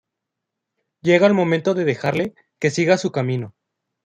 Llega el momento de dejarle que siga su camino.